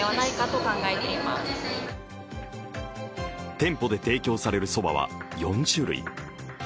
店舗で提供されるそばは４種類。